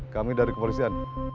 kami dari kepolisian